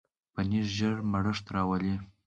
پنېر ژر مړښت راولي.